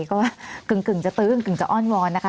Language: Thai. ก็กึ่งจะตื้อกึ่งจะอ้อนวอนนะคะ